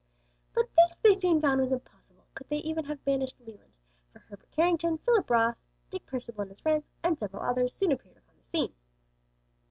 But this they soon found was impossible even could they have banished Leland; for Herbert Carrington, Philip Ross, Dick Percival and his friends, and several others soon appeared upon the scene.